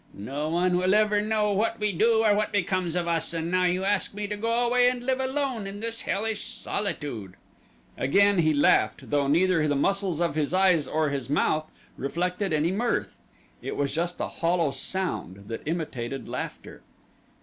No one will ever know what we do or what becomes of us and now you ask me to go away and live alone in this hellish solitude." Again he laughed, though neither the muscles of his eyes or his mouth reflected any mirth it was just a hollow sound that imitated laughter.